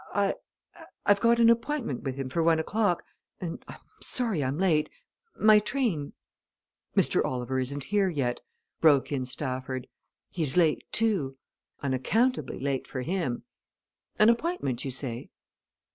I I've got an appointment with him for one o'clock, and I'm sorry I'm late my train " "Mr. Oliver is not here yet," broke in Stafford. "He's late, too unaccountably late, for him. An appointment, you say?"